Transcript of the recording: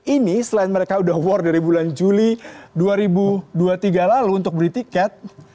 ini selain mereka sudah war dari bulan juli dua ribu dua puluh tiga lalu untuk beli tiket